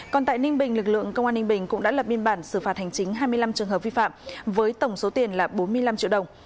còn tại ninh bình lực lượng công an ninh bình cũng đã lập biên bản xử phạt hành chính hai mươi năm trường hợp vi phạm với tổng số tiền là bốn mươi năm triệu đồng